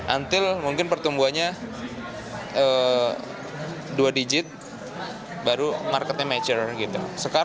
antil mungkin pertumbuhannya dua digit baru marketnya mature gitu